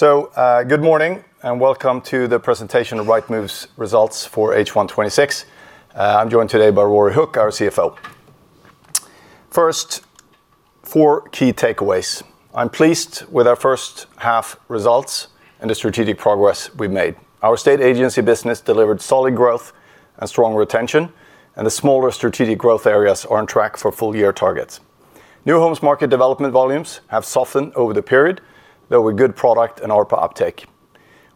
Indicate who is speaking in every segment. Speaker 1: Go`od morning, and welcome to the presentation of Rightmove's Results for H1 2026. I am joined today by Rory Hook, our CFO. First, four key takeaways. I am pleased with our first half results and the strategic progress we have made. Our estate agency business delivered solid growth and strong retention, and the smaller strategic growth areas are on track for full-year targets. New homes market development volumes have softened over the period, though with good product and ARPA uptake.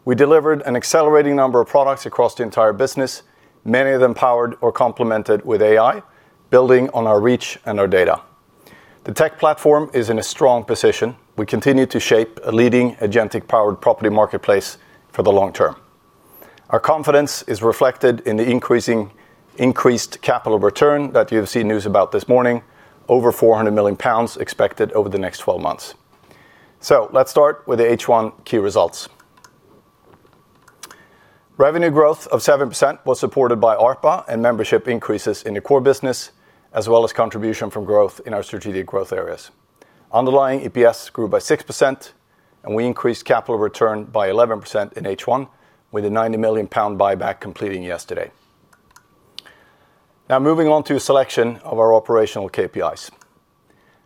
Speaker 1: We delivered an accelerating number of products across the entire business, many of them powered or complemented with AI, building on our reach and our data. The tech platform is in a strong position. We continue to shape a leading agentic-powered property marketplace for the long term. Our confidence is reflected in the increased capital return that you have seen news about this morning, over 400 million pounds expected over the next 12 months. Let's start with the H1 key results. Revenue growth of 7% was supported by ARPA and membership increases in the core business, as well as contribution from growth in our strategic growth areas. Underlying EPS grew by 6%, and we increased capital return by 11% in H1, with a 90 million pound buyback completing yesterday. Moving on to a selection of our operational KPIs.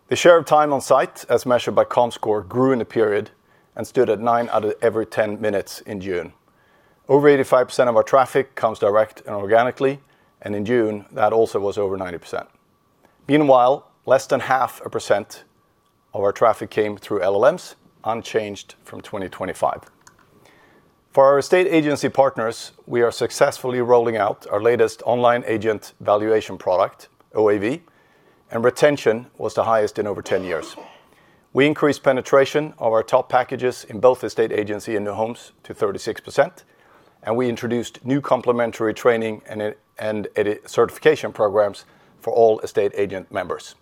Speaker 1: The share of time on site, as measured by Comscore, grew in the period and stood at nine out of every 10 minutes in June. Over 85% of our traffic comes direct and organically, and in June, that also was over 90%. Meanwhile, less than half a percent of our traffic came through LLMs, unchanged from 2025. For our estate agency partners, we are successfully rolling out our latest Online Agent Valuation product, OAV, and retention was the highest in over 10 years. We increased penetration of our top packages in both estate agency and new homes to 36%, and we introduced new complementary training and certification programs for all estate agent members.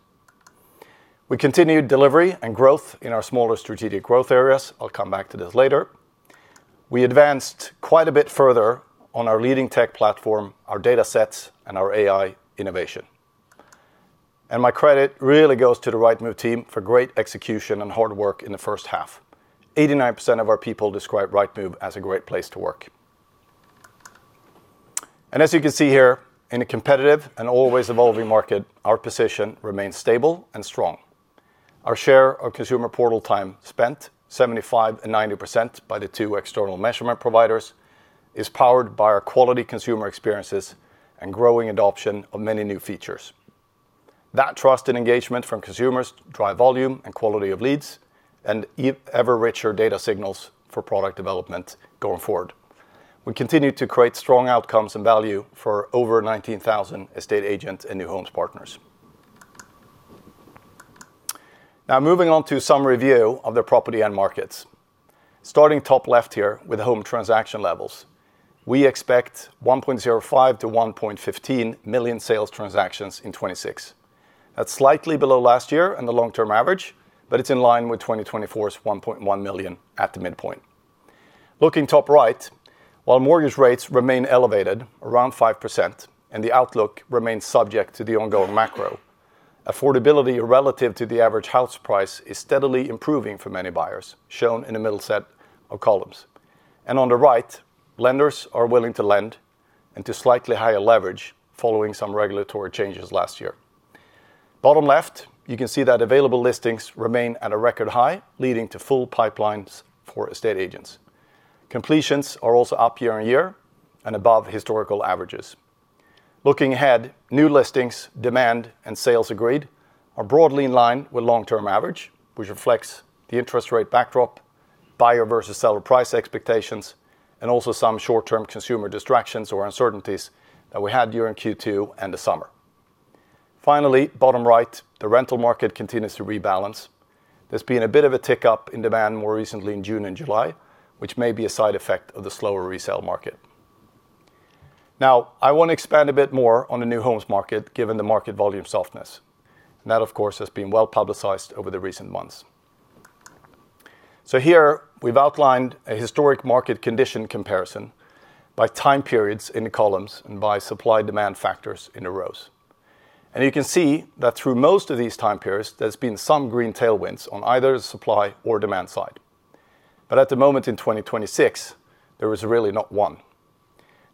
Speaker 1: We continued delivery and growth in our smaller strategic growth areas. I will come back to this later. We advanced quite a bit further on our leading tech platform, our data sets, and our AI innovation. My credit really goes to the Rightmove team for great execution and hard work in the first half. 89% of our people describe Rightmove as a great place to work. As you can see here, in a competitive and always evolving market, our position remains stable and strong. Our share of consumer portal time spent, 75% and 90% by the two external measurement providers, is powered by our quality consumer experiences and growing adoption of many new features. That trust and engagement from consumers drive volume and quality of leads and ever-richer data signals for product development going forward. We continue to create strong outcomes and value for over 19,000 estate agents and new homes partners. Moving on to some review of the property end markets. Starting top left here with home transaction levels. We expect 1.05 million-1.15 million sales transactions in 2026. That is slightly below last year and the long-term average, but it is in line with 2024's 1.1 million at the midpoint. Looking top right, while mortgage rates remain elevated around 5% and the outlook remains subject to the ongoing macro, affordability relative to the average house price is steadily improving for many buyers, shown in the middle set of columns. On the right, lenders are willing to lend and to slightly higher leverage following some regulatory changes last year. Bottom left, you can see that available listings remain at a record high, leading to full pipelines for estate agents. Completions are also up year-over-year and above historical averages. Looking ahead, new listings, demand, and sales agreed are broadly in line with long-term average, which reflects the interest rate backdrop, buyer versus seller price expectations, and also some short-term consumer distractions or uncertainties that we had during Q2 and the summer. Finally, bottom right, the rental market continues to rebalance. There's been a bit of a tick up in demand more recently in June and July, which may be a side effect of the slower resale market. I want to expand a bit more on the new homes market, given the market volume softness. That, of course, has been well-publicized over the recent months. Here we've outlined a historic market condition comparison by time periods in the columns and by supply-demand factors in the rows. You can see that through most of these time periods, there's been some green tailwinds on either the supply or demand side. At the moment in 2026, there is really not one.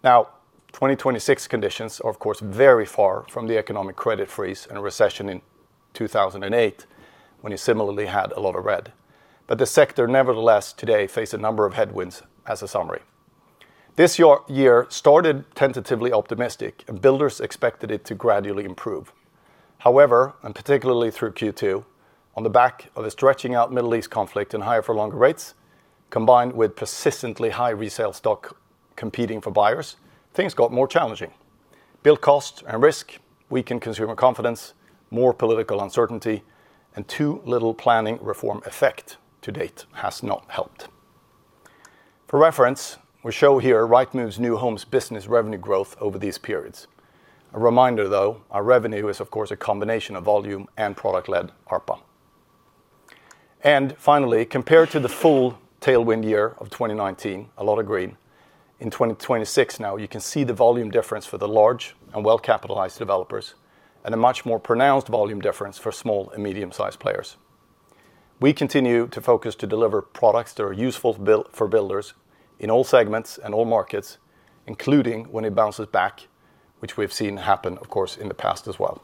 Speaker 1: 2026 conditions are of course very far from the economic credit freeze and recession in 2008, when you similarly had a lot of red. The sector nevertheless today face a number of headwinds as a summary. This year started tentatively optimistic, and builders expected it to gradually improve. However, particularly through Q2, on the back of the stretching out Middle East conflict and higher for longer rates, combined with persistently high resale stock competing for buyers, things got more challenging. Build cost and risk weakened consumer confidence, more political uncertainty, and too little planning reform effect to date has not helped. For reference, we show here Rightmove's new homes business revenue growth over these periods. A reminder, though, our revenue is of course a combination of volume and product-led ARPA. Finally, compared to the full tailwind year of 2019, a lot of green. In 2026 now, you can see the volume difference for the large and well-capitalized developers, and a much more pronounced volume difference for small and medium-sized players. We continue to focus to deliver products that are useful for builders in all segments and all markets, including when it bounces back, which we have seen happen, of course, in the past as well.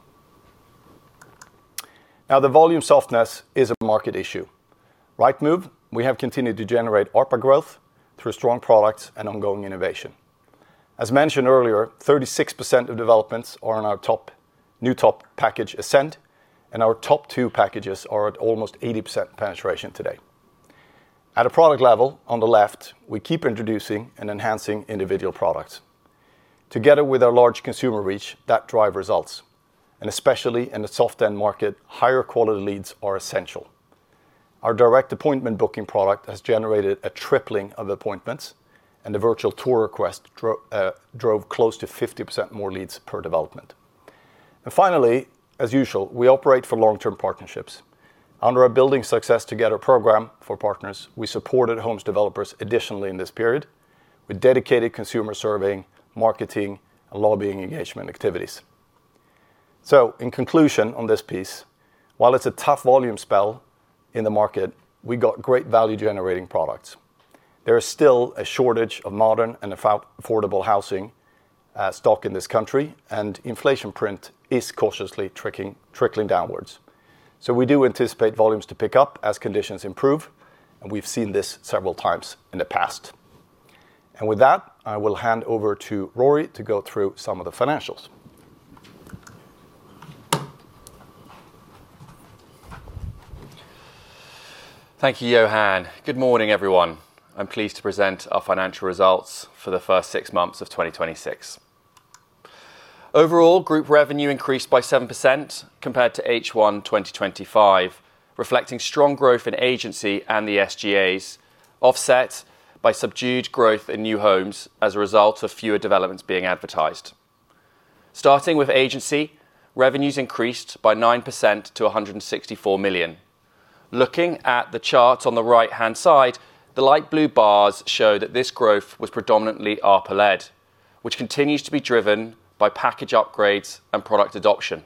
Speaker 1: The volume softness is a market issue. Rightmove, we have continued to generate ARPA growth through strong products and ongoing innovation. As mentioned earlier, 36% of developments are in our new top package, Ascend, and our top two packages are at almost 80% penetration today. At a product level, on the left, we keep introducing and enhancing individual products. Together with our large consumer reach, that drive results. Especially in a soft end market, higher quality leads are essential. Our direct appointment booking product has generated a tripling of appointments, and the virtual tour request drove close to 50% more leads per development. Finally, as usual, we operate for long-term partnerships. Under our Building Success Together program for partners, we supported homes developers additionally in this period with dedicated consumer surveying, marketing, and lobbying engagement activities. In conclusion on this piece, while it's a tough volume spell in the market, we got great value-generating products. There is still a shortage of modern and affordable housing stock in this country, and inflation print is cautiously trickling downwards. We do anticipate volumes to pick up as conditions improve, and we've seen this several times in the past. With that, I will hand over to Rory to go through some of the financials.
Speaker 2: Thank you, Johan. Good morning, everyone. I'm pleased to present our financial results for the first six months of 2026. Overall, group revenue increased by 7% compared to H1 2025, reflecting strong growth in agency and the SGAs, offset by subdued growth in new homes as a result of fewer developments being advertised. Starting with agency, revenues increased by 9% to 164 million. Looking at the chart on the right-hand side, the light blue bars show that this growth was predominantly ARPA led, which continues to be driven by package upgrades and product adoption,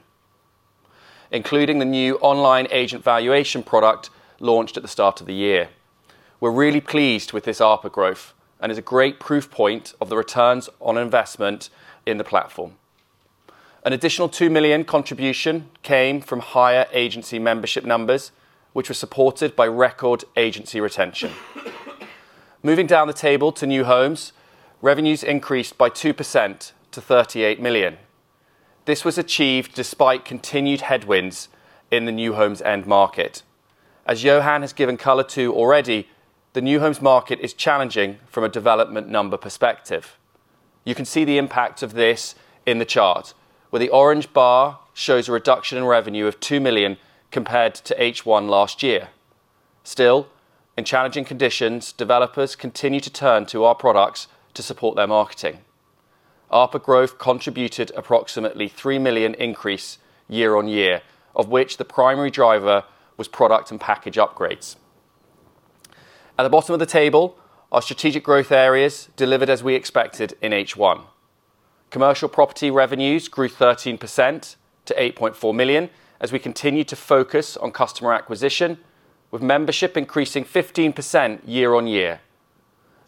Speaker 2: including the new Online Agent Valuation product launched at the start of the year. We're really pleased with this ARPA growth, and it's a great proof point of the returns on investment in the platform. An additional 2 million contribution came from higher agency membership numbers, which were supported by record agency retention. Moving down the table to new homes, revenues increased by 2% to 38 million. This was achieved despite continued headwinds in the new homes end market. As Johan has given color to already, the new homes market is challenging from a development number perspective. You can see the impact of this in the chart, where the orange bar shows a reduction in revenue of 2 million compared to H1 last year. Still, in challenging conditions, developers continue to turn to our products to support their marketing. ARPA growth contributed approximately 3 million increase year-on-year, of which the primary driver was product and package upgrades. At the bottom of the table, our strategic growth areas delivered as we expected in H1. Commercial property revenues grew 13% to 8.4 million as we continue to focus on customer acquisition, with membership increasing 15% year-on-year.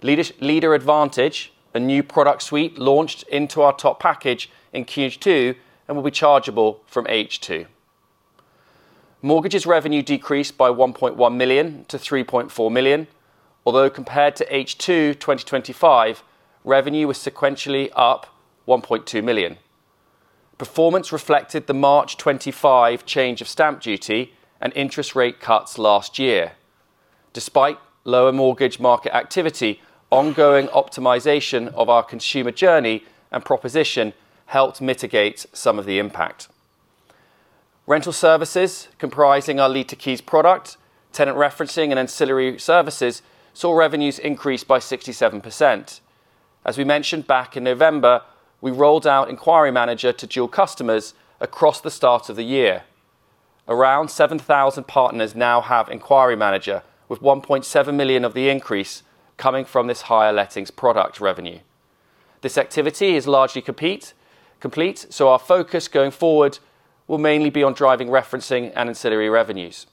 Speaker 2: Leader Advantage, the new product suite launched into our top package in Q2 and will be chargeable from H2. Mortgages revenue decreased by 1.1 million to 3.4 million, although compared to H2 2025, revenue was sequentially up 1.2 million. Performance reflected the March 2025 change of stamp duty and interest rate cuts last year. Despite lower mortgage market activity, ongoing optimization of our consumer journey and proposition helped mitigate some of the impact. Rental services, comprising our Lead to Keys product, tenant referencing, and ancillary services, saw revenues increase by 67%. As we mentioned back in November, we rolled out Enquiry Manager to dual customers across the start of the year. Around 7,000 partners now have Enquiry Manager, with 1.7 million of the increase coming from this higher lettings product revenue. Our focus going forward will mainly be on driving referencing and ancillary revenues.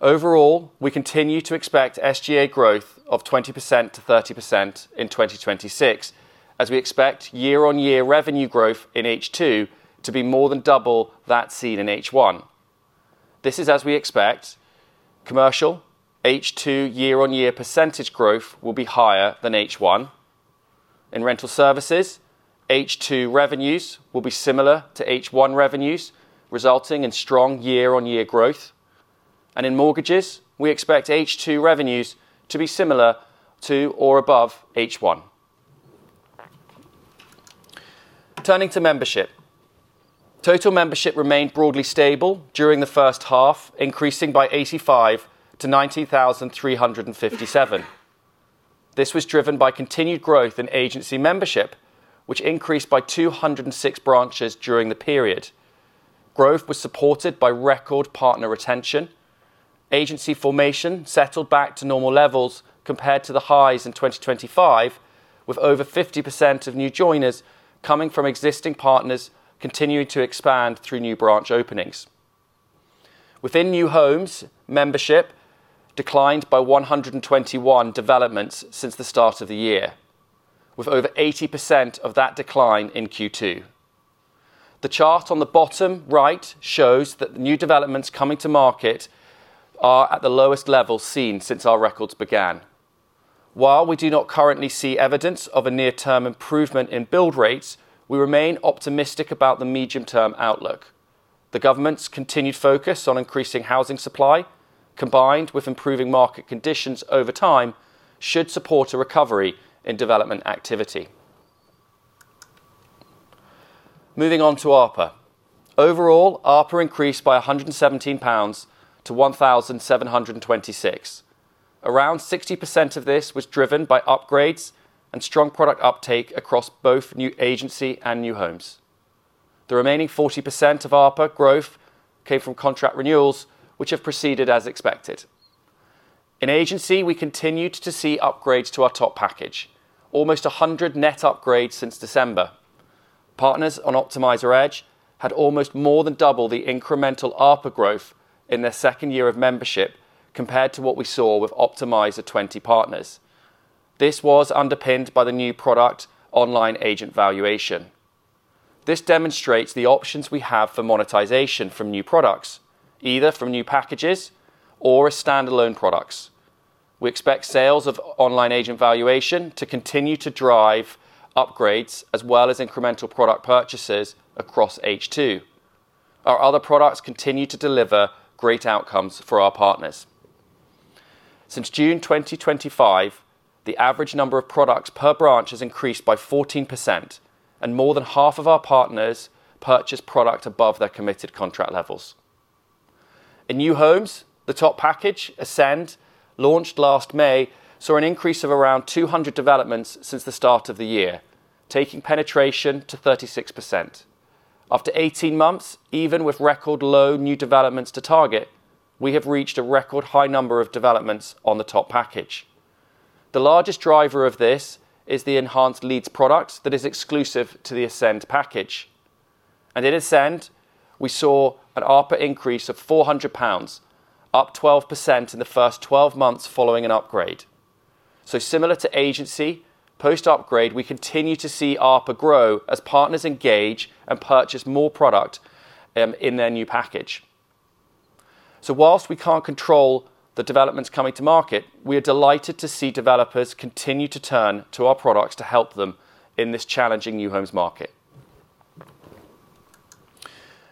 Speaker 2: Overall, we continue to expect SGA growth of 20%-30% in 2026, as we expect year-on-year revenue growth in H2 to be more than double that seen in H1. This is as we expect commercial H2 year-on-year percentage growth will be higher than H1. In rental services, H2 revenues will be similar to H1 revenues, resulting in strong year-on-year growth. In mortgages, we expect H2 revenues to be similar to or above H1. Turning to membership. Total membership remained broadly stable during the first half, increasing by 85 to 90,357. This was driven by continued growth in agency membership, which increased by 206 branches during the period. Growth was supported by record partner retention. Agency formation settled back to normal levels compared to the highs in 2025, with over 50% of new joiners coming from existing partners continuing to expand through new branch openings. Within New Homes, membership declined by 121 developments since the start of the year, with over 80% of that decline in Q2. The chart on the bottom right shows that the new developments coming to market are at the lowest level seen since our records began. While we do not currently see evidence of a near-term improvement in build rates, we remain optimistic about the medium-term outlook. The government's continued focus on increasing housing supply, combined with improving market conditions over time, should support a recovery in development activity. Moving on to ARPA. Overall, ARPA increased by 117 pounds to 1,726. Around 60% of this was driven by upgrades and strong product uptake across both new agency and new homes. The remaining 40% of ARPA growth came from contract renewals, which have proceeded as expected. In agency, we continued to see upgrades to our top package. Almost 100 net upgrades since December. Partners on Optimiser Edge had almost more than double the incremental ARPA growth in their second year of membership compared to what we saw with Optimiser 20 partners. This was underpinned by the new product, Online Agent Valuation. This demonstrates the options we have for monetization from new products, either from new packages or as standalone products. We expect sales of Online Agent Valuation to continue to drive upgrades as well as incremental product purchases across H2. Our other products continue to deliver great outcomes for our partners. Since June 2025, the average number of products per branch has increased by 14%, and more than half of our partners purchase product above their committed contract levels. In New Homes, the top package, Ascend, launched last May, saw an increase of around 200 developments since the start of the year, taking penetration to 36%. After 18 months, even with record low new developments to target, we have reached a record high number of developments on the top package. The largest driver of this is the Enhanced Leads product that is exclusive to the Ascend package. In Ascend, we saw an ARPA increase of 400 pounds, up 12% in the first 12 months following an upgrade. Similar to agency, post-upgrade, we continue to see ARPA grow as partners engage and purchase more product in their new package. Whilst we can't control the developments coming to market, we are delighted to see developers continue to turn to our products to help them in this challenging new homes market.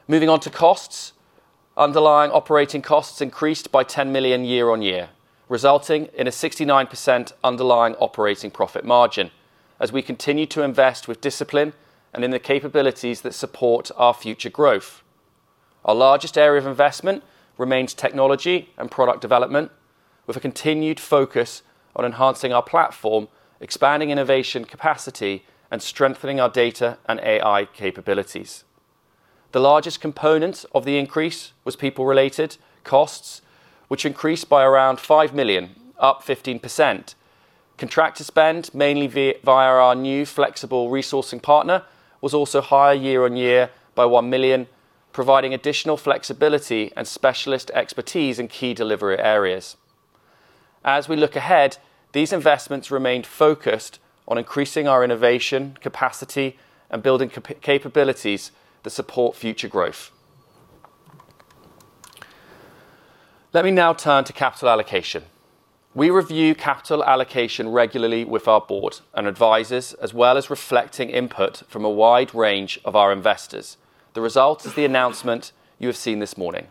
Speaker 2: Moving on to costs. Underlying operating costs increased by 10 million year-on-year, resulting in a 69% underlying operating profit margin as we continue to invest with discipline and in the capabilities that support our future growth. Our largest area of investment remains technology and product development, with a continued focus on enhancing our platform, expanding innovation capacity, and strengthening our data and AI capabilities. The largest component of the increase was people related costs, which increased by around 5 million, up 15%. Contractor spend, mainly via our new flexible resourcing partner, was also higher year-on-year by 1 million, providing additional flexibility and specialist expertise in key delivery areas. As we look ahead, these investments remained focused on increasing our innovation capacity and building capabilities that support future growth. Let me now turn to capital allocation. We review capital allocation regularly with our board and advisors, as well as reflecting input from a wide range of our investors. The result is the announcement you have seen this morning.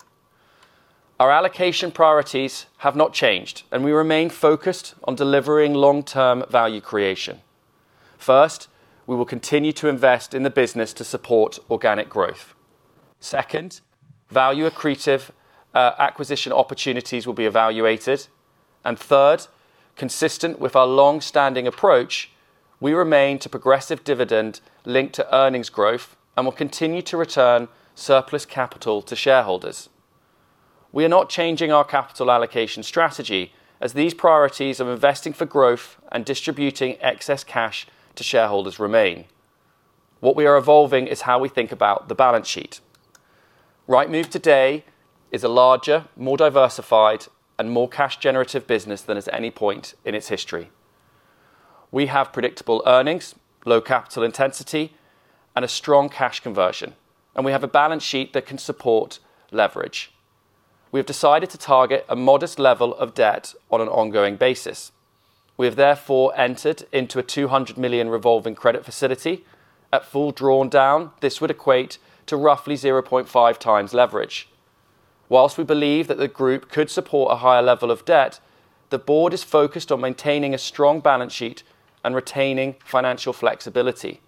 Speaker 2: Our allocation priorities have not changed, and we remain focused on delivering long-term value creation. First, we will continue to invest in the business to support organic growth. Second, value accretive acquisition opportunities will be evaluated. Third, consistent with our long-standing approach, we remain to progressive dividend linked to earnings growth and will continue to return surplus capital to shareholders. We are not changing our capital allocation strategy as these priorities of investing for growth and distributing excess cash to shareholders remain. What we are evolving is how we think about the balance sheet. Rightmove today is a larger, more diversified, and more cash generative business than at any point in its history. We have predictable earnings, low capital intensity, and a strong cash conversion, and we have a balance sheet that can support leverage. We have decided to target a modest level of debt on an ongoing basis. We have therefore entered into a 200 million revolving credit facility. At full drawn down, this would equate to roughly 0.5 times leverage. Whilst we believe that the group could support a higher level of debt, the board is focused on maintaining a strong balance sheet and retaining financial flexibility.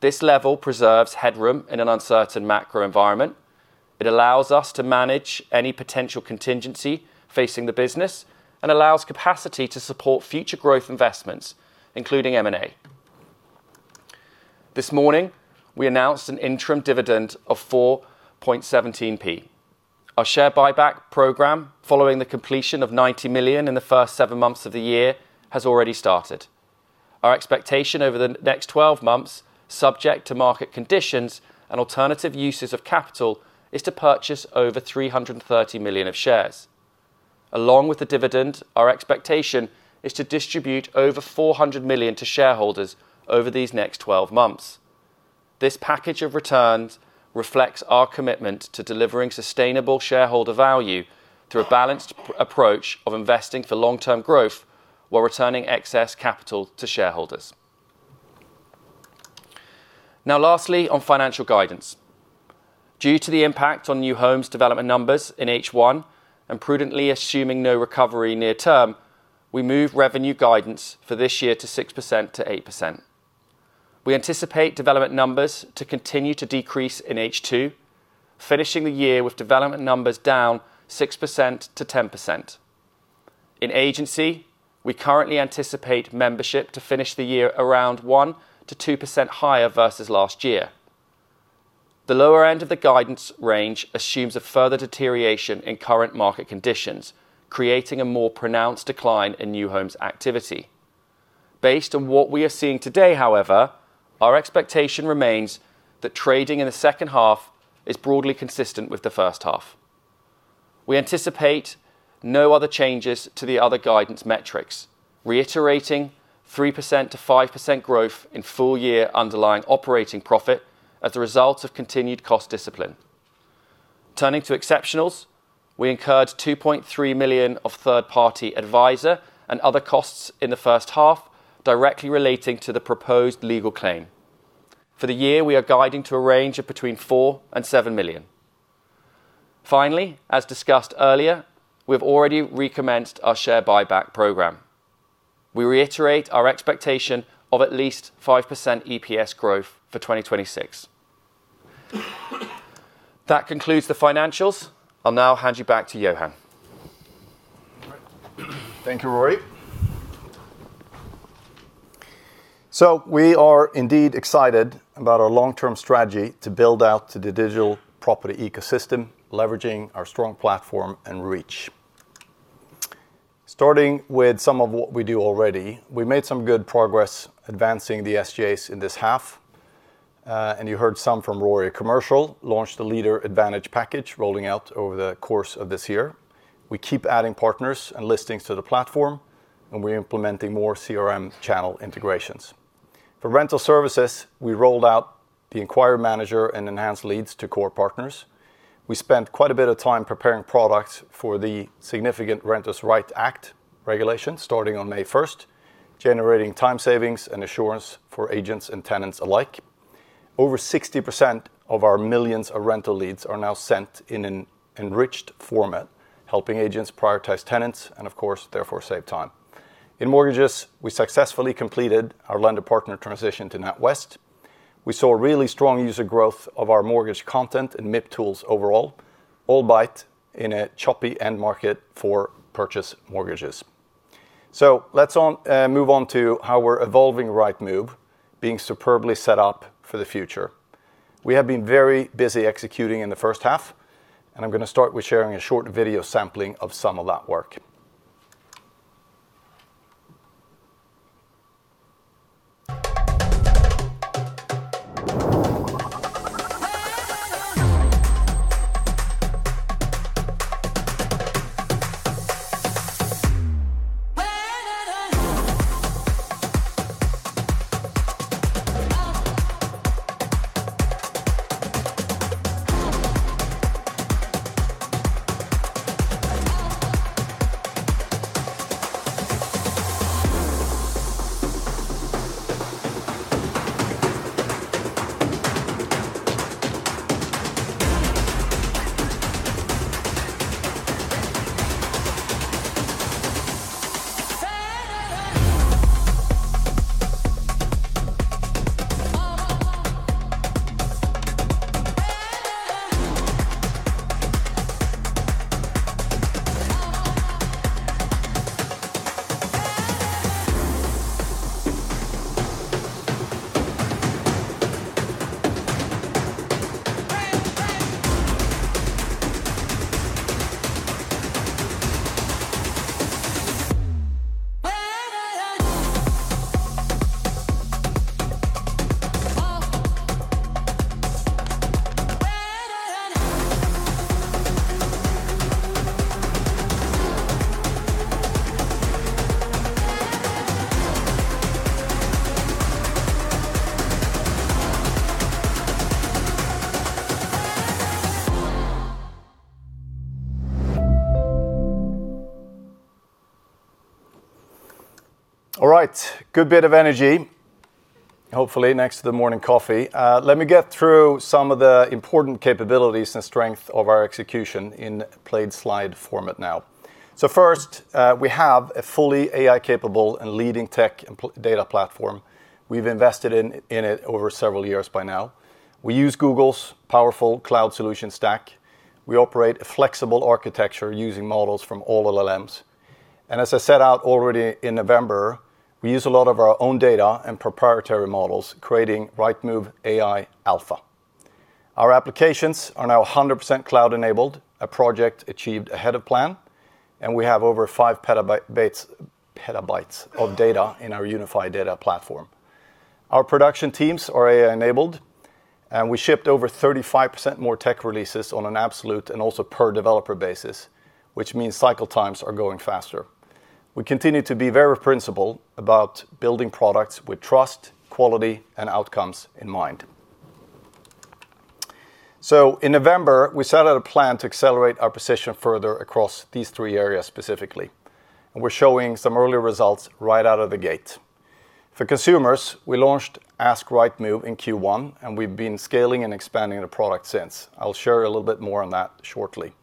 Speaker 2: This level preserves headroom in an uncertain macro environment. It allows us to manage any potential contingency facing the business and allows capacity to support future growth investments, including M&A. This morning, we announced an interim dividend of 0.0417. Our share buyback program, following the completion of 90 million in the first seven months of the year, has already started. Our expectation over the next 12 months, subject to market conditions and alternative uses of capital, is to purchase over 330 million of shares. Along with the dividend, our expectation is to distribute over 400 million to shareholders over these next 12 months. This package of returns reflects our commitment to delivering sustainable shareholder value through a balanced approach of investing for long-term growth while returning excess capital to shareholders. Lastly, on financial guidance. Due to the impact on new homes development numbers in H1, and prudently assuming no recovery near term, we move revenue guidance for this year to 6%-8%. We anticipate development numbers to continue to decrease in H2, finishing the year with development numbers down 6%-10%. In agency, we currently anticipate membership to finish the year around 1%-2% higher versus last year. The lower end of the guidance range assumes a further deterioration in current market conditions, creating a more pronounced decline in new homes activity. Based on what we are seeing today, however, our expectation remains that trading in the second half is broadly consistent with the first half. We anticipate no other changes to the other guidance metrics, reiterating 3%-5% growth in full-year underlying operating profit as a result of continued cost discipline. Turning to exceptionals, we incurred 2.3 million of third-party advisor and other costs in the first half, directly relating to the proposed legal claim. For the year, we are guiding to a range of between 4 million and 7 million. Finally, as discussed earlier, we have already recommenced our share buyback program. We reiterate our expectation of at least 5% EPS growth for 2026. That concludes the financials. I will now hand you back to Johan.
Speaker 1: Thank you, Rory. We are indeed excited about our long-term strategy to build out to the digital property ecosystem, leveraging our strong platform and reach. Starting with some of what we do already, we made some good progress advancing the SGAs in this half. You heard some from Rory. Commercial launched the Leader Advantage package rolling out over the course of this year. We keep adding partners and listings to the platform, and we are implementing more CRM channel integrations. For rental services, we rolled out the Enquiry Manager and Enhanced Leads to core partners. We spent quite a bit of time preparing products for the significant Renters' Rights Act regulation starting on May 1st, generating time savings and assurance for agents and tenants alike. Over 60% of our millions of rental leads are now sent in an enriched format, helping agents prioritize tenants and, of course, therefore save time. In mortgages, we successfully completed our lender partner transition to NatWest. We saw really strong user growth of our mortgage content and MIP tools overall, albeit in a choppy end market for purchase mortgages. Let us move on to how we are evolving Rightmove, being superbly set up for the future. We have been very busy executing in the first half, and I am going to start with sharing a short video sampling of some of that work. All right. Good bit of energy, hopefully next to the morning coffee. Let me get through some of the important capabilities and strength of our execution in plain slide format now. First, we have a fully AI-capable and leading tech data platform. We've invested in it over several years by now. We use Google's powerful cloud solution stack. We operate a flexible architecture using models from all LLMs. As I set out already in November, we use a lot of our own data and proprietary models, creating Rightmove AI Alpha. Our applications are now 100% cloud-enabled, a project achieved ahead of plan, and we have over five petabytes of data in our unified data platform. Our production teams are AI-enabled, and we shipped over 35% more tech releases on an absolute and also per developer basis, which means cycle times are going faster. We continue to be very principled about building products with trust, quality, and outcomes in mind. In November, we set out a plan to accelerate our position further across these three areas specifically, and we're showing some early results right out of the gate. For consumers, we launched Ask Rightmove in Q1, and we've been scaling and expanding the product since. I'll share a little bit more on that shortly.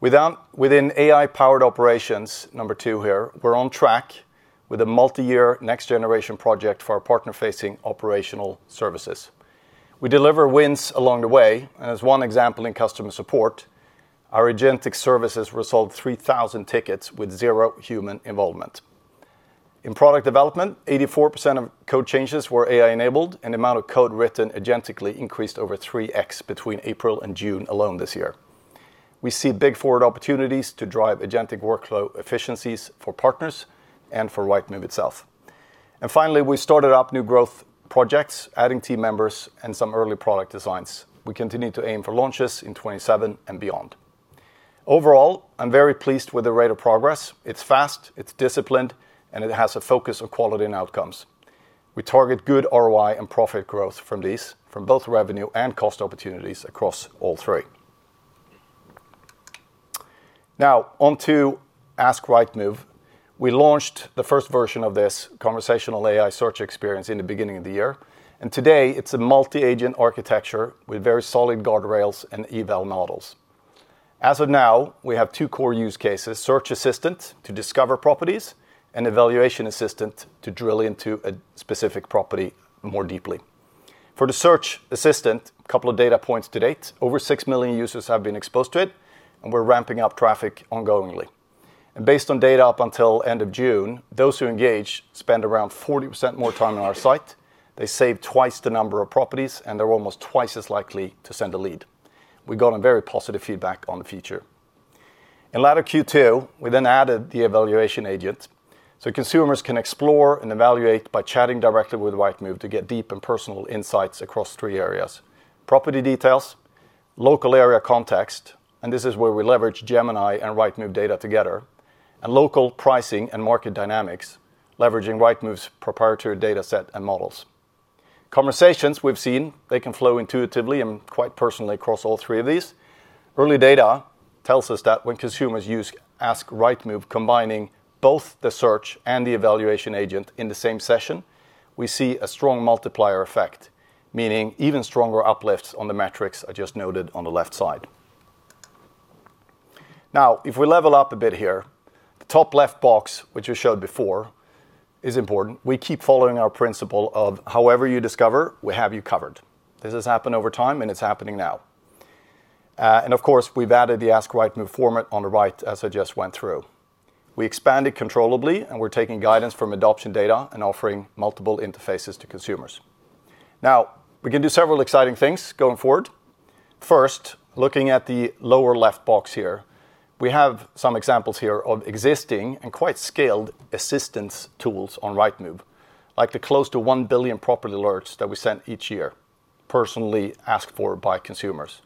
Speaker 1: Within AI-powered operations, number two here, we're on track with a multi-year next generation project for our partner-facing operational services. We deliver wins along the way, and as one example in customer support, our agentic services resolved 3,000 tickets with 0 human involvement. In product development, 84% of code changes were AI-enabled, and the amount of code written agentically increased over 3X between April and June alone this year. We see big forward opportunities to drive agentic workflow efficiencies for partners and for Rightmove itself. Finally, we started up new growth projects, adding team members and some early product designs. We continue to aim for launches in 2027 and beyond. Overall, I'm very pleased with the rate of progress. It's fast, it's disciplined, and it has a focus on quality and outcomes. We target good ROI and profit growth from these, from both revenue and cost opportunities across all three. Now on to Ask Rightmove. We launched the first version of this conversational AI search experience in the beginning of the year. Today it's a multi-agent architecture with very solid guardrails and eval models. As of now, we have 2 core use cases, Search Assistant to discover properties and Evaluation Assistant to drill into a specific property more deeply. For the Search Assistant, a couple of data points to date. Over 6 million users have been exposed to it, and we're ramping up traffic ongoingly. Based on data up until end of June, those who engage spend around 40% more time on our site. They save twice the number of properties, and they're almost twice as likely to send a lead. We've gotten very positive feedback on the feature. In latter Q2, we then added the evaluation agent, so consumers can explore and evaluate by chatting directly with Rightmove to get deep and personal insights across 3 areas, property details, local area context, and this is where we leverage Gemini and Rightmove data together, and local pricing and market dynamics, leveraging Rightmove's proprietary data set and models. Conversations we've seen, they can flow intuitively and quite personally across all 3 of these. Early data tells us that when consumers use Ask Rightmove combining both the search and the evaluation agent in the same session, we see a strong multiplier effect, meaning even stronger uplifts on the metrics I just noted on the left side. If we level up a bit here, the top left box, which we showed before, is important. We keep following our principle of however you discover, we have you covered. This has happened over time, it's happening now. Of course, we've added the Ask Rightmove format on the right, as I just went through. We expanded controllably, we're taking guidance from adoption data and offering multiple interfaces to consumers. We can do several exciting things going forward. First, looking at the lower left box here, we have some examples here of existing and quite scaled assistance tools on Rightmove, like the close to 1 billion property alerts that we send each year, personally asked for by consumers.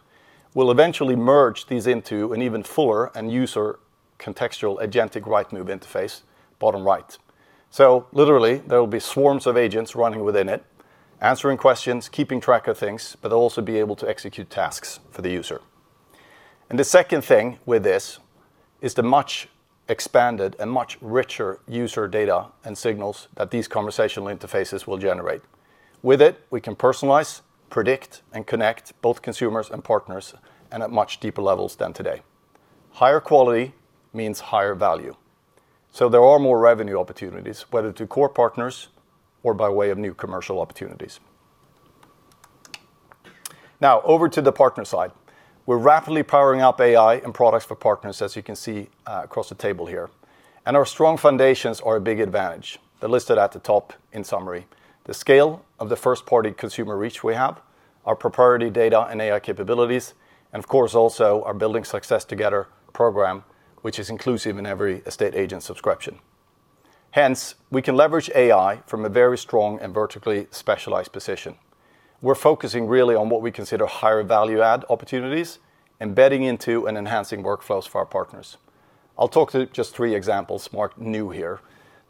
Speaker 1: We'll eventually merge these into an even fuller and user contextual agentic Rightmove interface, bottom right. Literally there will be swarms of agents running within it, answering questions, keeping track of things, but they'll also be able to execute tasks for the user. The second thing with this is the much expanded and much richer user data and signals that these conversational interfaces will generate. With it, we can personalize, predict, and connect both consumers and partners, and at much deeper levels than today. Higher quality means higher value. There are more revenue opportunities, whether to core partners or by way of new commercial opportunities. Over to the partner side. We're rapidly powering up AI and products for partners, as you can see across the table here. Our strong foundations are a big advantage. They're listed at the top in summary. The scale of the first-party consumer reach we have, our proprietary data and AI capabilities, of course, also our Building Success Together program, which is inclusive in every estate agent subscription. Hence, we can leverage AI from a very strong and vertically specialized position. We're focusing really on what we consider higher value add opportunities, embedding into and enhancing workflows for our partners. I'll talk to just three examples more new here.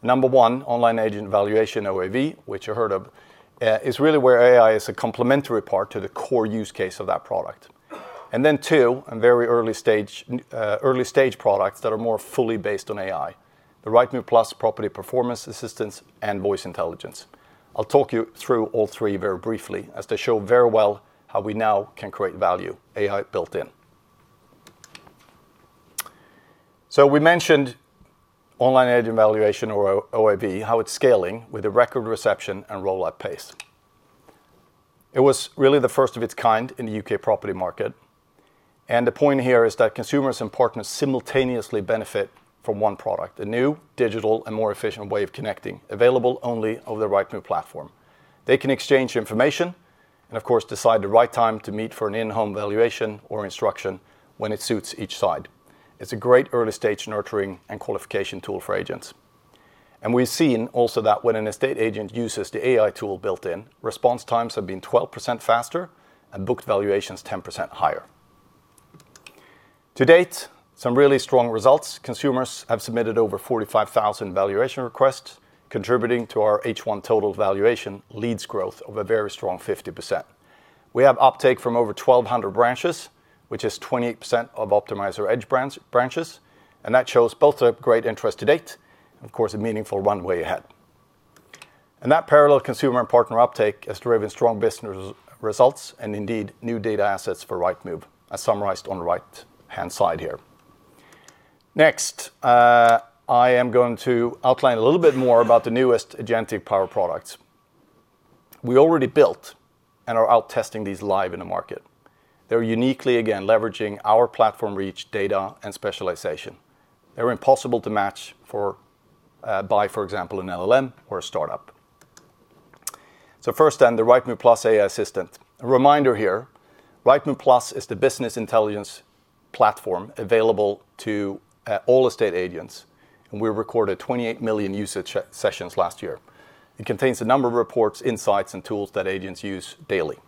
Speaker 1: Number 1, Online Agent Valuation, OAV, which you heard of, is really where AI is a complementary part to the core use case of that product. Then 2, very early stage products that are more fully based on AI, the Rightmove Plus AI Assistant, and Rightmove Voice Intelligence. I'll talk you through all three very briefly as they show very well how we now can create value, AI built in. We mentioned Online Agent Valuation or OAV, how it's scaling with a record reception and rollout pace. It was really the first of its kind in the U.K. property market. The point here is that consumers and partners simultaneously benefit from 1 product, a new digital and more efficient way of connecting, available only on the Rightmove platform. They can exchange information and, of course, decide the right time to meet for an in-home valuation or instruction when it suits each side. It's a great early-stage nurturing and qualification tool for agents. We've seen also that when an estate agent uses the AI tool built in, response times have been 12% faster and booked valuations 10% higher. To-date, some really strong results. Consumers have submitted over 45,000 valuation requests, contributing to our H1 total valuation leads growth of a very strong 50%. We have uptake from over 1,200 branches, which is 20% of Optimiser Edge branches, and that shows both a great interest to date, and of course, a meaningful runway ahead. That parallel consumer and partner uptake has driven strong business results and indeed new data assets for Rightmove, as summarized on the right-hand side here. I am going to outline a little bit more about the newest agentic power products. We already built and are out testing these live in the market. They're uniquely, again, leveraging our platform reach data and specialization. They're impossible to match for by, for example, an LLM or a startup. The Rightmove Plus AI Assistant. A reminder here, Rightmove Plus is the business intelligence platform available to all estate agents, and we recorded 28 million usage sessions last year. It contains a number of reports, insights, and tools that agents use daily.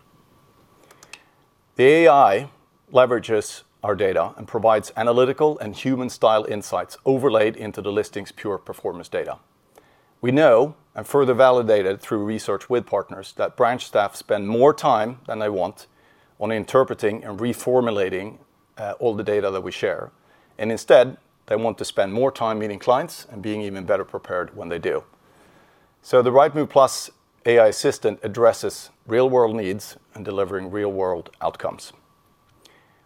Speaker 1: The AI leverages our data and provides analytical and human-style insights overlaid into the listings' pure performance data. We know, and further validated through research with partners, that branch staff spend more time than they want on interpreting and reformulating all the data that we share. Instead, they want to spend more time meeting clients and being even better prepared when they do. The Rightmove Plus AI Assistant addresses real-world needs and delivering real-world outcomes.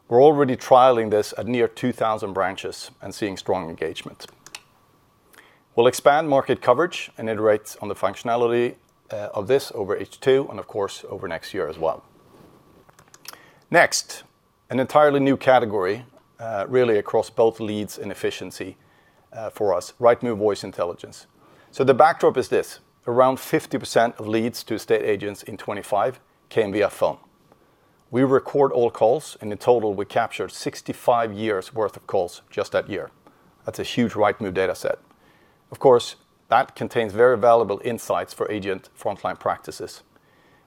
Speaker 1: We're already trialing this at near 2,000 branches and seeing strong engagement. We'll expand market coverage and iterate on the functionality of this over H2 and of course, over next year as well. An entirely new category, really across both leads and efficiency for us, Rightmove Voice Intelligence. The backdrop is this. Around 50% of leads to estate agents in 2025 came via phone. We record all calls, and in total, we captured 65 years worth of calls just that year. That's a huge Rightmove data set. Of course, that contains very valuable insights for agent frontline practices.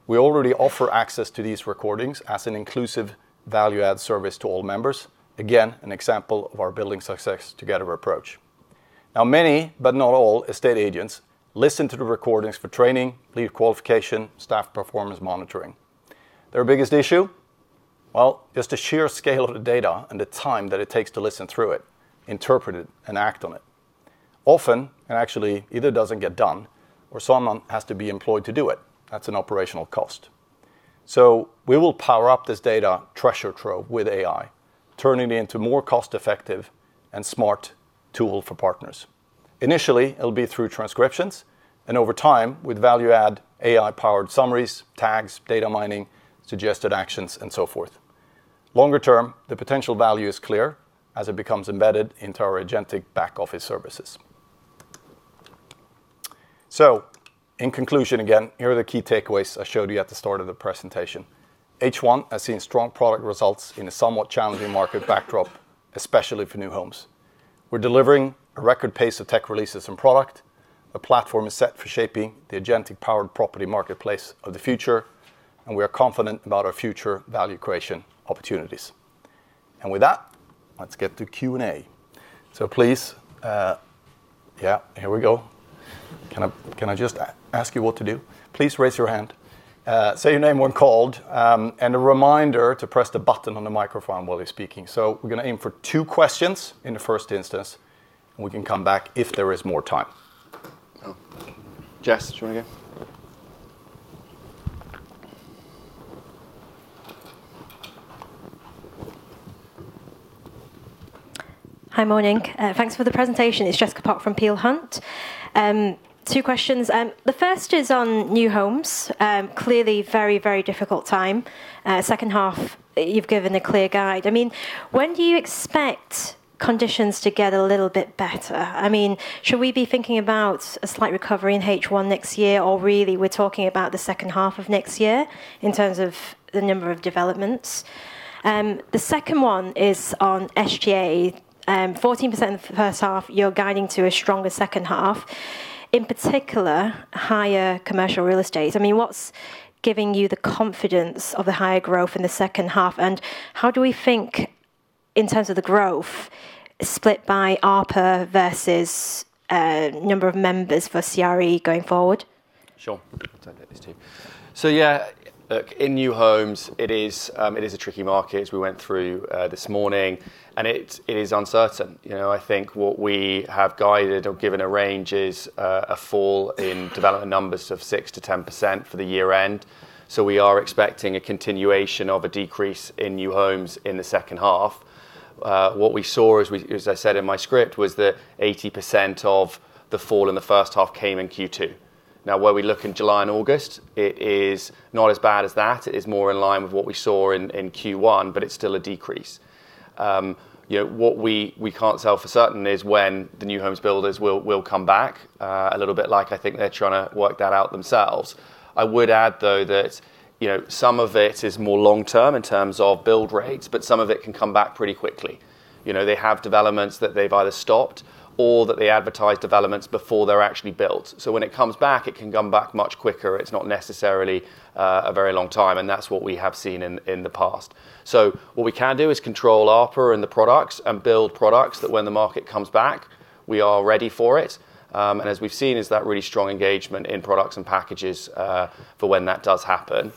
Speaker 1: We already offer access to these recordings as an inclusive value-add service to all members. Again, an example of our Building Success Together approach. Many, but not all estate agents listen to the recordings for training, lead qualification, staff performance monitoring. Their biggest issue? Well, just the sheer scale of the data and the time that it takes to listen through it, interpret it, and act on it. Often, and actually either doesn't get done or someone has to be employed to do it. That's an operational cost. We will power up this data treasure trove with AI, turning it into more cost-effective and smart tool for partners. Initially, it'll be through transcriptions and over time with value-add AI powered summaries, tags, data mining, suggested actions, and so forth. Longer term, the potential value is clear as it becomes embedded into our agentic back office services. Here are the key takeaways I showed you at the start of the presentation. H1 has seen strong product results in a somewhat challenging market backdrop, especially for new homes. We're delivering a record pace of tech releases and product. The platform is set for shaping the agentic powered property marketplace of the future, and we are confident about our future value creation opportunities. With that, let's get to Q&A. Please, yeah, here we go. Can I just ask you what to do? Please raise your hand, say your name when called, and a reminder to press the button on the microphone while you're speaking. We're going to aim for two questions in the first instance, and we can come back if there is more time. Jess, do you want to go?
Speaker 3: Hi. Morning. Thanks for the presentation. It's Jessica Pok from Peel Hunt. Two questions. The first is on new homes. Clearly very, very difficult time. Second half, you've given a clear guide. When do you expect conditions to get a little bit better? Should we be thinking about a slight recovery in H1 next year, or really we're talking about the second half of next year in terms of the number of developments? The second one is on SGA. 14% first half, you're guiding to a stronger second half. In particular, higher commercial real estate. What's giving you the confidence of the higher growth in the second half, and how do we think in terms of the growth split by ARPA versus number of members for CRE going forward?
Speaker 2: Sure, I'll take this too. Yeah. Look, in new homes, it is a tricky market as we went through this morning, and it is uncertain. I think what we have guided or given a range is a fall in development numbers of 6%-10% for the year-end. We are expecting a continuation of a decrease in new homes in the second half. What we saw, as I said in my script, was that 80% of the fall in the first half came in Q2. Now, where we look in July and August, it is not as bad as that. It is more in line with what we saw in Q1, but it's still a decrease. What we can't tell for certain is when the new homes builders will come back, a little bit like they're trying to work that out themselves. I would add, though, that some of it is more long-term in terms of build rates, but some of it can come back pretty quickly. They have developments that they've either stopped or that they advertise developments before they're actually built. When it comes back, it can come back much quicker. It's not necessarily a very long time, and that's what we have seen in the past. What we can do is control ARPA and the products and build products that when the market comes back, we are ready for it. As we've seen, is that really strong engagement in products and packages for when that does happen.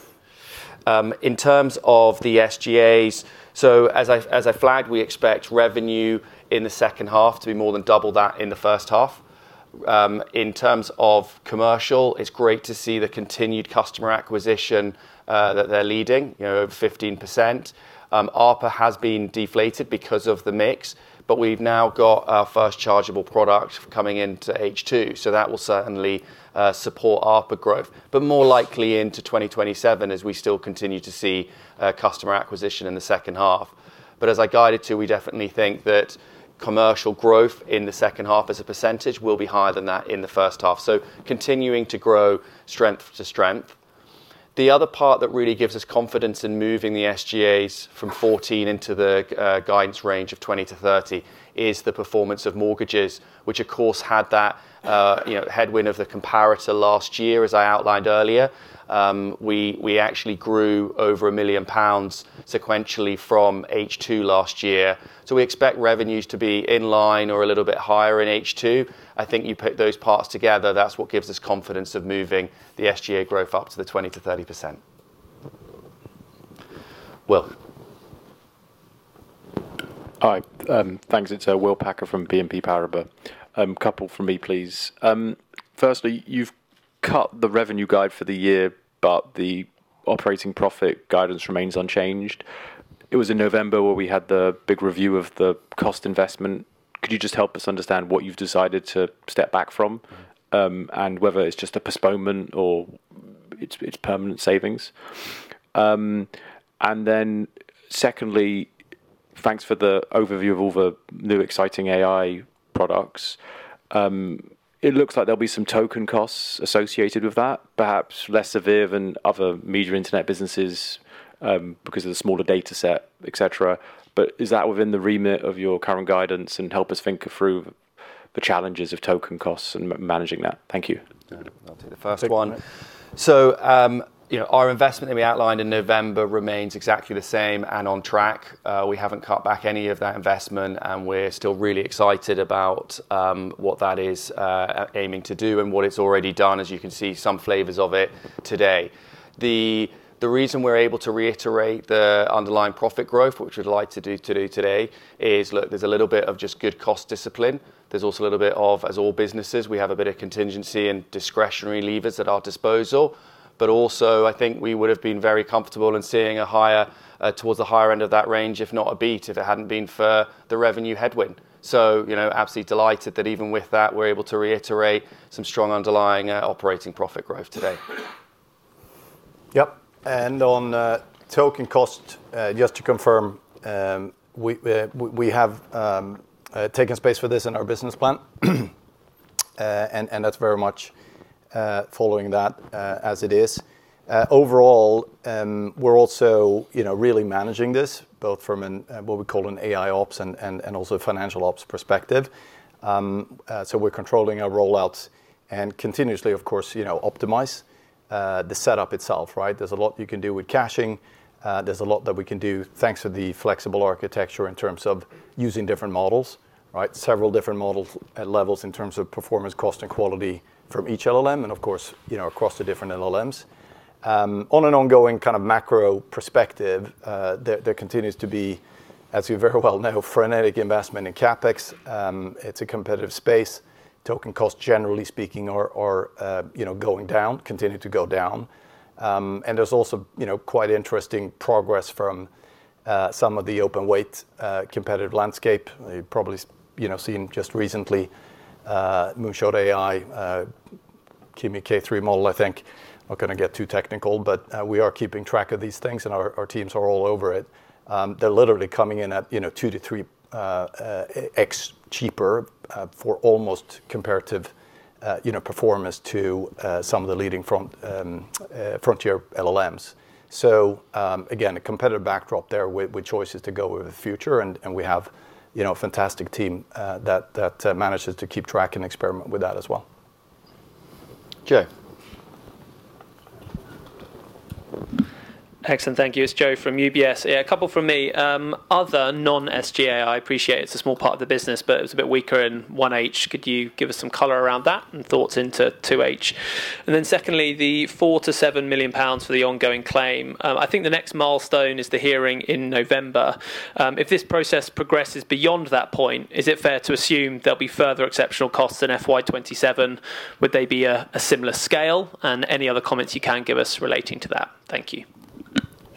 Speaker 2: In terms of the SGAs, as I flagged, we expect revenue in the second half to be more than double that in the first half. In terms of commercial, it's great to see the continued customer acquisition that they're leading, over 15%. ARPA has been deflated because of the mix, but we've now got our first chargeable product coming into H2, that will certainly support ARPA growth, but more likely into 2027 as we still continue to see customer acquisition in the second half. As I guided to, we definitely think that commercial growth in the second half as a percentage will be higher than that in the first half. Continuing to grow strength to strength. The other part that really gives us confidence in moving the SGAs from 14% into the guidance range of 20%-30% is the performance of mortgages, which, of course, had that headwind of the comparator last year, as I outlined earlier. We actually grew over 1 million pounds sequentially from H2 last year. We expect revenues to be in line or a little bit higher in H2. I think you put those parts together, that's what gives us confidence of moving the SGA growth up to the 20%-30%. Will.
Speaker 4: Hi. Thanks. It's Will Packer from BNP Paribas. Couple from me, please. Firstly, you've cut the revenue guide for the year, the operating profit guidance remains unchanged. It was in November where we had the big review of the cost investment. Could you just help us understand what you've decided to step back from, and whether it's just a postponement or it's permanent savings? Secondly, thanks for the overview of all the new exciting AI products. It looks like there'll be some token costs associated with that, perhaps less severe than other major internet businesses because of the smaller data set, et cetera. Is that within the remit of your current guidance, and help us think through the challenges of token costs and managing that. Thank you.
Speaker 2: I'll take the first one. Our investment that we outlined in November remains exactly the same and on track. We haven't cut back any of that investment, we're still really excited about what that is aiming to do and what it's already done. As you can see, some flavors of it today. The reason we're able to reiterate the underlying profit growth, which we'd like to do today, is, look, there's a little bit of just good cost discipline. There's also a little bit of, as all businesses, we have a bit of contingency and discretionary levers at our disposal. Also, I think we would have been very comfortable in seeing towards the higher end of that range, if not a beat, if it hadn't been for the revenue headwind. absolutely delighted that even with that, we're able to reiterate some strong underlying operating profit growth today.
Speaker 1: Yep. On token cost, just to confirm, we have taken space for this in our business plan, and that's very much following that as it is. Overall, we're also really managing this, both from what we call an AIOps and also financial ops perspective. We're controlling our rollouts and continuously, of course, optimize the setup itself, right? There's a lot you can do with caching. There's a lot that we can do thanks to the flexible architecture in terms of using different models. Several different models at levels in terms of performance, cost, and quality from each LLM, and of course, across the different LLMs. On an ongoing kind of macro perspective, there continues to be, as we very well know, frenetic investment in CapEx. It's a competitive space. Token costs, generally speaking, are going down, continue to go down. There's also quite interesting progress from some of the open weight competitive landscape. You've probably seen just recently, Moonshot AI, Kimi K3 model, I think. Not going to get too technical, but we are keeping track of these things, and our teams are all over it. They're literally coming in at 2x-3x cheaper for almost comparative performance to some of the leading frontier LLMs. Again, a competitive backdrop there with choices to go with the future, and we have a fantastic team that manages to keep track and experiment with that as well. Joe.
Speaker 5: Excellent. Thank you. It's Joe from UBS. Yeah, a couple from me. Other non-SGA, I appreciate it's a small part of the business, but it was a bit weaker in 1H. Could you give us some color around that and thoughts into 2H? Secondly, the 4 million-7 million pounds for the ongoing claim. I think the next milestone is the hearing in November. If this process progresses beyond that point, is it fair to assume there'll be further exceptional costs in FY 2027? Would they be a similar scale? Any other comments you can give us relating to that? Thank you.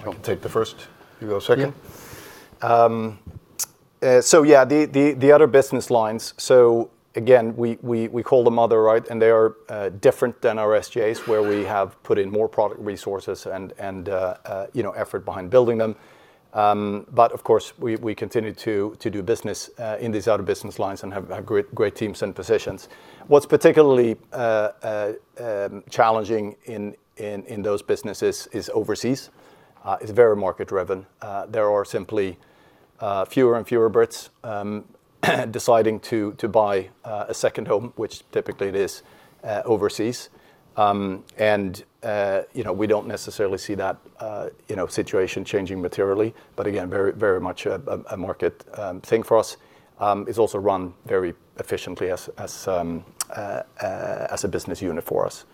Speaker 1: I'll take the first. You go second.
Speaker 2: Yeah.
Speaker 1: Yeah, the other business lines. Again, we call them other, right? They are different than our SGAs, where we have put in more product resources and effort behind building them. Of course, we continue to do business in these other business lines and have great teams and positions. What's particularly challenging in those businesses is overseas. It's very market driven. There are simply fewer and fewer Brits deciding to buy a second home, which typically it is overseas. We don't necessarily see that situation changing materially. Again, very much a market thing for us. It's also run very efficiently as a business unit for us.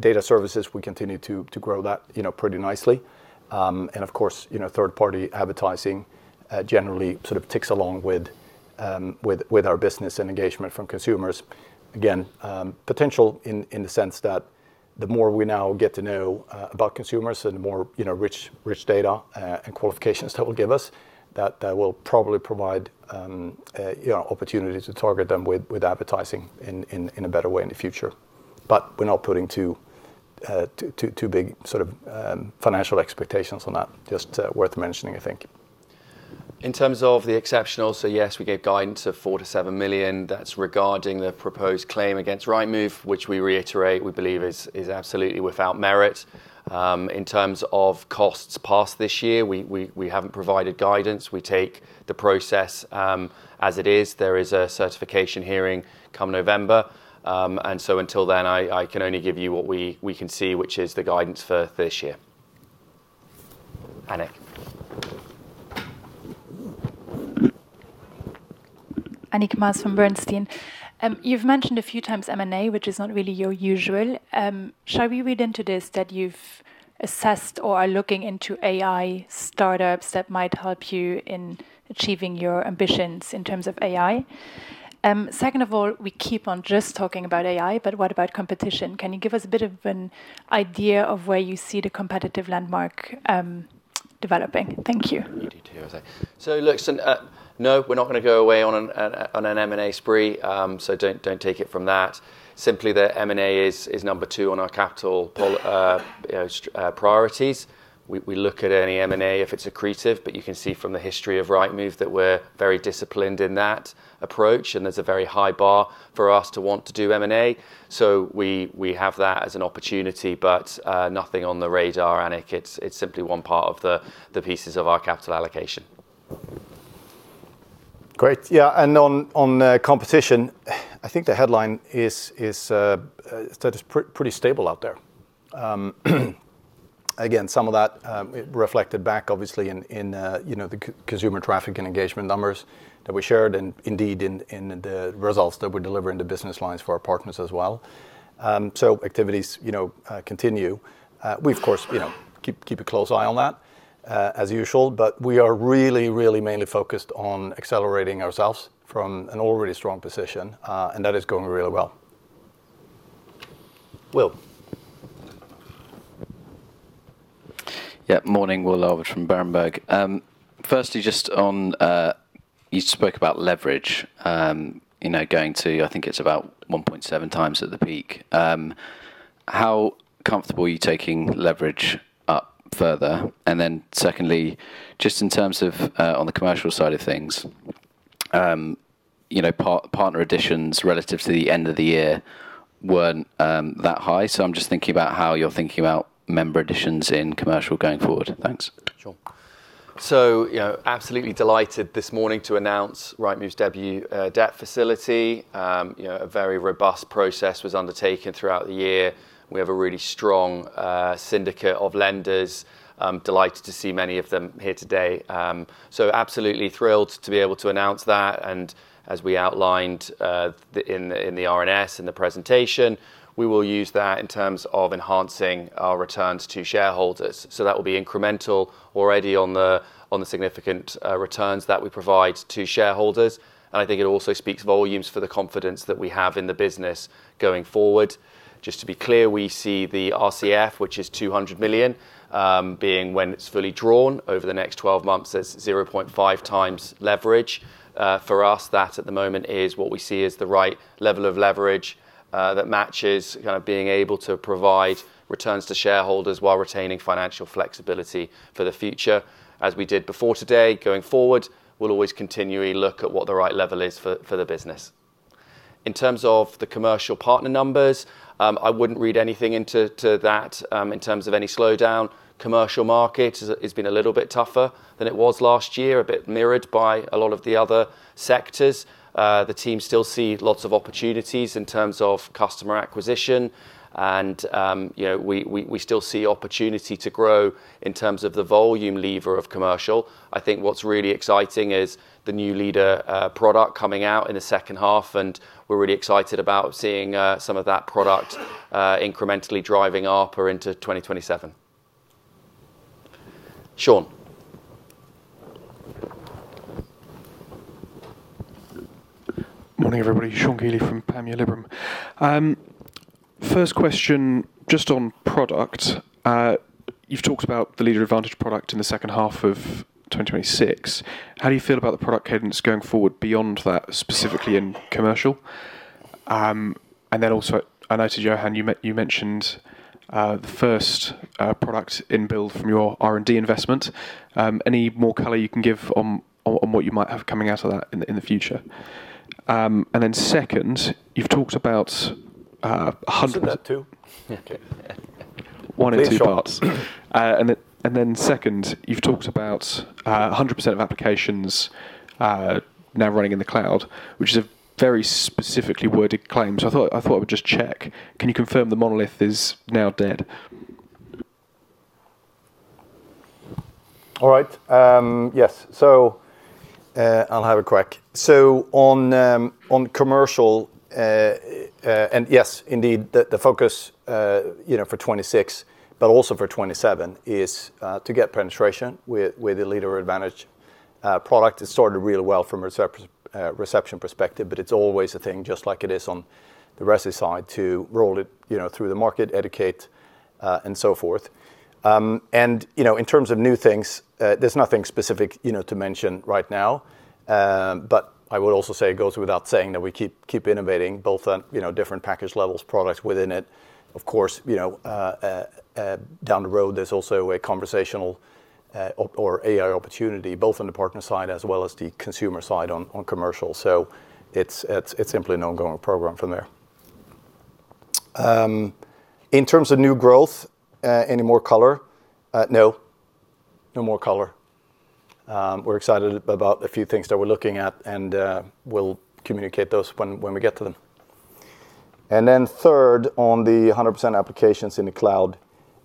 Speaker 1: Data services, we continue to grow that pretty nicely. Of course, third party advertising generally sort of ticks along with our business and engagement from consumers. Again, potential in the sense that the more we now get to know about consumers and the more rich data and qualifications that will give us, that will probably provide opportunities to target them with advertising in a better way in the future. We're not putting too big sort of financial expectations on that. Just worth mentioning, I think.
Speaker 2: In terms of the exceptional, yes, we gave guidance of 4 million-7 million. That's regarding the proposed claim against Rightmove, which we reiterate we believe is absolutely without merit. In terms of costs passed this year, we haven't provided guidance. We take the process as it is. There is a certification hearing come November. Until then, I can only give you what we can see, which is the guidance for this year. Annick.
Speaker 6: Annick Maas from Bernstein. You've mentioned a few times M&A, which is not really your usual. Shall we read into this that you've assessed or are looking into AI startups that might help you in achieving your ambitions in terms of AI? What about competition? Can you give us a bit of an idea of where you see the competitive landmark developing? Thank you.
Speaker 2: You do too, I say. Look, no, we're not going to go away on an M&A spree, don't take it from that. Simply that M&A is number two on our capital priorities. We look at any M&A if it's accretive. You can see from the history of Rightmove that we're very disciplined in that approach, there's a very high bar for us to want to do M&A. We have that as an opportunity. Nothing on the radar, Annick. It's simply 1 part of the pieces of our capital allocation.
Speaker 1: Great. Yeah, on competition, I think the headline is that it's pretty stable out there. Again, some of that reflected back obviously in the consumer traffic and engagement numbers that we shared, indeed in the results that we deliver into business lines for our partners as well. Activities continue. We of course keep a close eye on that, as usual. We are really mainly focused on accelerating ourselves from an already strong position, that is going really well. Will.
Speaker 7: Yeah, morning. Will Albert from Berenberg. Firstly, just on you spoke about leverage, going to I think it's about 1.7 times at the peak. How comfortable are you taking leverage up further? Secondly, just in terms of on the commercial side of things, partner additions relative to the end of the year weren't that high. I'm just thinking about how you're thinking about member additions in commercial going forward. Thanks.
Speaker 2: Sure. Absolutely delighted this morning to announce Rightmove's debut debt facility. A very robust process was undertaken throughout the year. We have a really strong syndicate of lenders. I am delighted to see many of them here today. Absolutely thrilled to be able to announce that, and as we outlined in the RNS, in the presentation, we will use that in terms of enhancing our returns to shareholders. That will be incremental already on the significant returns that we provide to shareholders. I think it also speaks volumes for the confidence that we have in the business going forward. Just to be clear, we see the RCF, which is 200 million, being when it is fully drawn over the next 12 months as 0.5x leverage. For us, that at the moment is what we see as the right level of leverage that matches kind of being able to provide returns to shareholders while retaining financial flexibility for the future, as we did before today. Going forward, we'll always continually look at what the right level is for the business. In terms of the commercial partner numbers, I wouldn't read anything into that in terms of any slowdown. Commercial market has been a little bit tougher than it was last year. A bit mirrored by a lot of the other sectors. The team still see lots of opportunities in terms of customer acquisition and we still see opportunity to grow in terms of the volume lever of commercial. I think what's really exciting is the new Leader product coming out in the second half, and we're really excited about seeing some of that product incrementally driving up or into 2027. Sean.
Speaker 8: Morning, everybody. Sean Kealy from Panmure Liberum. First question just on product. You've talked about the Leader Advantage product in the second half of 2026. How do you feel about the product cadence going forward beyond that, specifically in commercial? Also I noted, Johan, you mentioned the first product in build from your R&D investment. Any more color you can give on what you might have coming out of that in the future? Then second, you've talked about 100.
Speaker 1: Isn't that two?
Speaker 8: One in two parts. Second, you've talked about 100% of applications now running in the cloud, which is a very specifically worded claim, so I thought I would just check. Can you confirm the monolith is now dead?
Speaker 1: All right. Yes. I'll have a crack. On commercial, yes, indeed, the focus for 2026, but also for 2027 is to get penetration with the Leader Advantage product. It started really well from a reception perspective, but it's always a thing, just like it is on the Resi side, to roll it through the market, educate, and so forth. In terms of new things, there's nothing specific to mention right now. I would also say it goes without saying that we keep innovating both on different package levels, products within it. Of course, down the road, there's also a conversational or AI opportunity, both on the partner side as well as the consumer side on commercial. It's simply an ongoing program from there. In terms of new growth, any more color? No. No more color. We're excited about a few things that we're looking at, we'll communicate those when we get to them. Third, on the 100% applications in the cloud.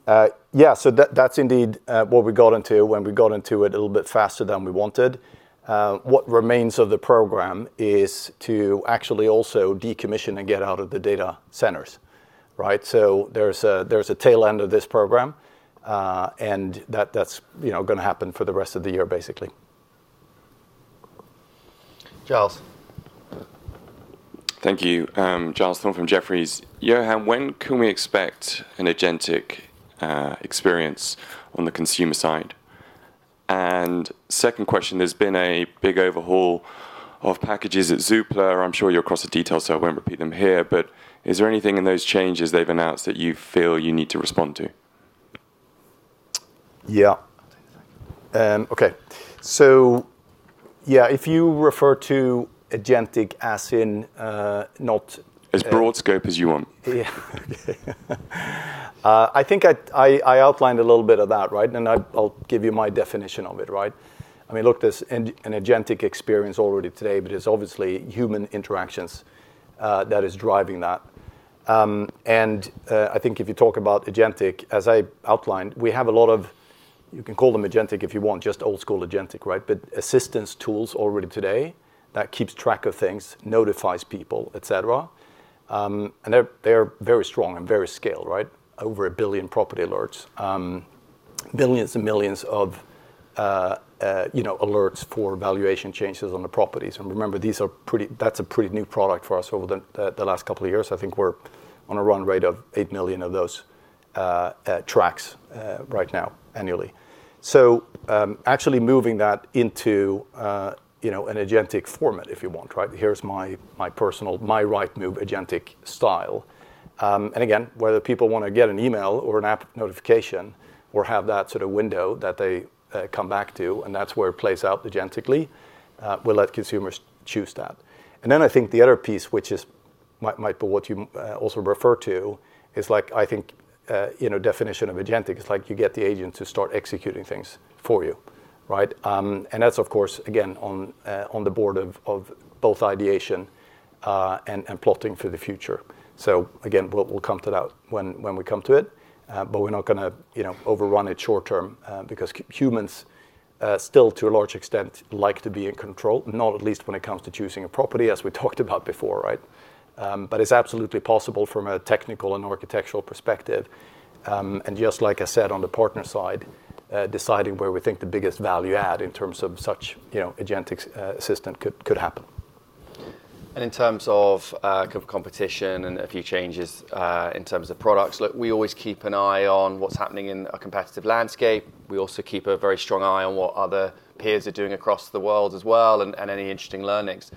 Speaker 1: That's indeed what we got into when we got into it a little bit faster than we wanted. What remains of the program is to actually also decommission and get out of the data centers. Right? There's a tail end of this program, and that's going to happen for the rest of the year, basically. Giles.
Speaker 9: Thank you. Giles Thorne from Jefferies. Johan, when can we expect an agentic experience on the consumer side? Second question, there's been a big overhaul of packages at Zoopla. I'm sure you're across the details, so I won't repeat them here, but is there anything in those changes they've announced that you feel you need to respond to?
Speaker 1: Yeah. Okay. Yeah, if you refer to agentic as in,
Speaker 9: As broad scope as you want.
Speaker 1: Yeah. I think I outlined a little bit of that, right? I'll give you my definition of it, right? I mean, look, there's an agentic experience already today, but it's obviously human interactions that is driving that. I think if you talk about agentic, as I outlined, we have a lot of, you can call them agentic if you want, just old school agentic, right? Assistance tools already today that keeps track of things, notifies people, et cetera. They're very strong and very scaled, right? Over 1 billion property alerts. Billions and millions of alerts for valuation changes on the properties. Remember, that's a pretty new product for us over the last couple of years. I think we're on a run rate of 8 million of those tracks right now annually. Actually moving that into an agentic format, if you want, right? Here's my personal, my Rightmove agentic style. Again, whether people want to get an email or an app notification or have that sort of window that they come back to, and that's where it plays out agentically, we'll let consumers choose that. Then I think the other piece, which might be what you also refer to, is like I think definition of agentic. It's like you get the agent to start executing things for you, right? That's, of course, again, on the board of both ideation and plotting for the future. Again, we'll come to that when we come to it, but we're not going to overrun it short term because humans still, to a large extent, like to be in control, not at least when it comes to choosing a property, as we talked about before, right? It's absolutely possible from a technical and architectural perspective. Just like I said, on the partner side, deciding where we think the biggest value add in terms of such agentic assistant could happen.
Speaker 2: In terms of competition and a few changes in terms of products, look, we always keep an eye on what's happening in a competitive landscape. We also keep a very strong eye on what other peers are doing across the world as well and any interesting learnings.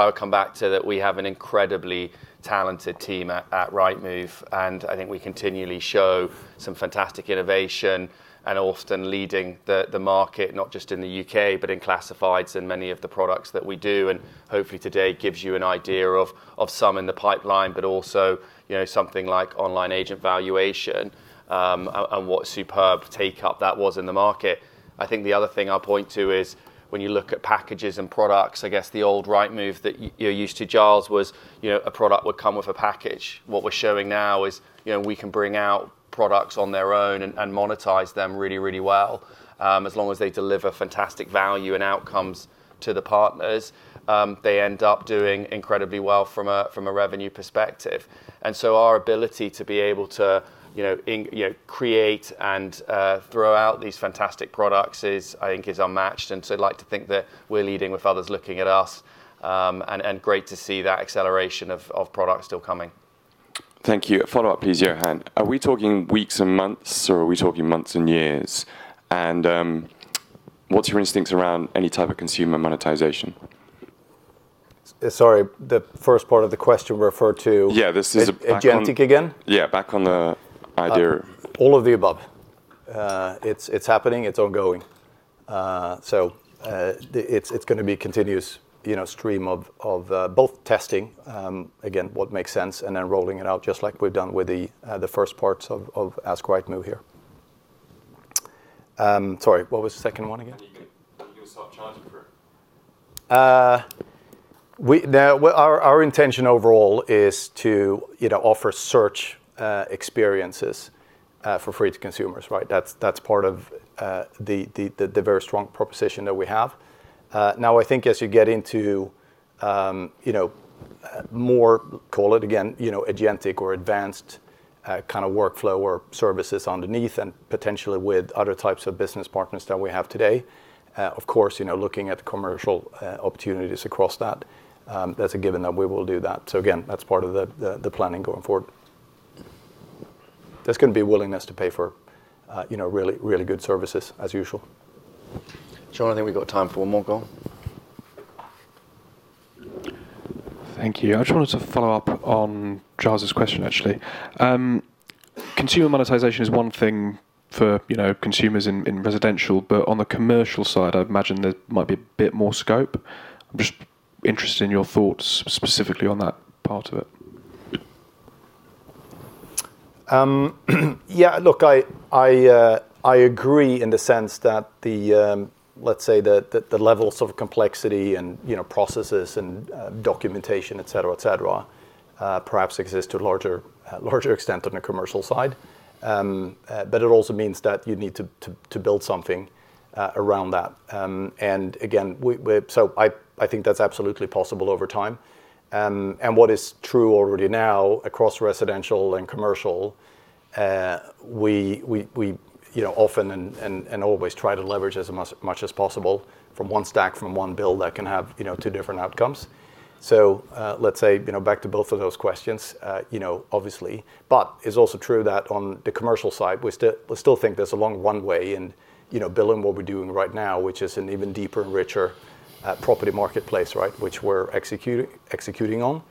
Speaker 2: I would come back to that we have an incredibly talented team at Rightmove, and I think we continually show some fantastic innovation and often leading the market, not just in the U.K., but in classifieds and many of the products that we do. Hopefully today gives you an idea of some in the pipeline, but also something like Online Agent Valuation, and what superb take-up that was in the market. I think the other thing I'll point to is when you look at packages and products, I guess the old Rightmove that you're used to, Giles, was a product would come with a package. What we're showing now is we can bring out products on their own and monetize them really well. As long as they deliver fantastic value and outcomes to the partners, they end up doing incredibly well from a revenue perspective. So our ability to be able to create and throw out these fantastic products I think is unmatched, and so I'd like to think that we're leading with others looking at us, and great to see that acceleration of product still coming.
Speaker 9: Thank you. A follow-up please, Johan. Are we talking weeks and months, or are we talking months and years? What's your instincts around any type of consumer monetization?
Speaker 1: Sorry, the first part of the question referred to-
Speaker 9: Yeah, this is back on-
Speaker 1: Agents again?
Speaker 9: Yeah, back on the idea
Speaker 1: All of the above. It's happening. It's ongoing. It's going to be a continuous stream of both testing, again, what makes sense, and then rolling it out just like we've done with the first parts of Ask Rightmove here. Sorry, what was the second one again?
Speaker 9: When you will start charging for it.
Speaker 1: Our intention overall is to offer search experiences for free to consumers. That's part of the very strong proposition that we have. I think as you get into more, call it again, agentic or advanced kind of workflow or services underneath, and potentially with other types of business partners than we have today, of course, looking at the commercial opportunities across that's a given that we will do that. Again, that's part of the planning going forward. There's going to be willingness to pay for really good services as usual. Sean, I think we've got time for one more. Go on.
Speaker 8: Thank you. I just wanted to follow up on Giles's question, actually. Consumer monetization is one thing for consumers in residential, but on the commercial side, I'd imagine there might be a bit more scope. I'm just interested in your thoughts specifically on that part of it.
Speaker 1: Yeah, look, I agree in the sense that the, let's say, the levels of complexity and processes and documentation, et cetera, perhaps exist to a larger extent on the commercial side. It also means that you'd need to build something around that. Again, I think that's absolutely possible over time. What is true already now across residential and commercial, we often and always try to leverage as much as possible from one stack, from one build that can have two different outcomes. Let's say, back to both of those questions, obviously. It's also true that on the commercial side, we still think there's a long one way in building what we're doing right now, which is an even deeper and richer property marketplace, which we're executing on.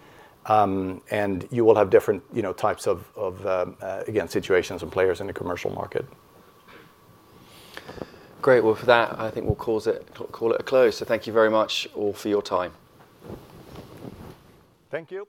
Speaker 1: You will have different types of, again, situations and players in the commercial market.
Speaker 2: Great. Well, for that, I think we'll call it a close. Thank you very much all for your time.
Speaker 1: Thank you.